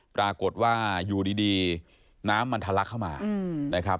ปรากฏว่าอยู่ดีน้ำมันทะลักเข้ามานะครับ